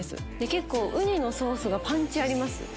結構ウニのソースがパンチあります。